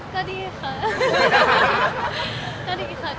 ก็ดีค่ะ